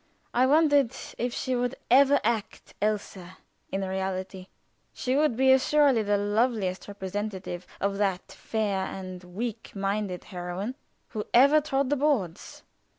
I wondered if she would ever act Elsa in reality; she would be assuredly the loveliest representative of that fair and weak minded heroine who ever trod the boards.